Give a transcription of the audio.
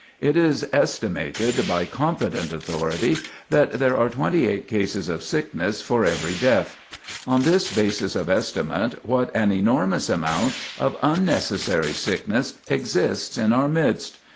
It is estimated by competent authority that there are 28 cases of sickness for every death. On this basis of estimate what an enormous amount of unnecessary sickness exists in our midst!